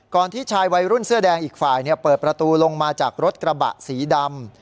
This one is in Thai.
ที่ชายวัยรุ่นเสื้อแดงอีกฝ่ายเปิดประตูลงมาจากรถกระบะสีดำ